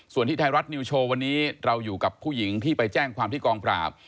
ส่วนที่ไทยรัฐนิวโชว์วันนี้เราอยู่กับผู้หญิงที่ไปแจ้งความที่กองปราบ